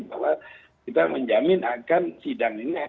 bahwa kita menjamin akan sidang ini akan